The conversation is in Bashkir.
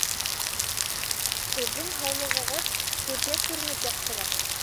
Һеҙҙең һаулығығыҙ күҙгә күренеп яҡшыра